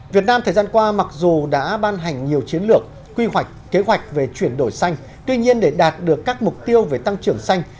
việt nam thời gian qua mặc dù đã ban hành nhiều chiến lược quy hoạch kế hoạch về chuyển đổi xanh tuy nhiên để đạt được các mục tiêu về tăng trưởng xanh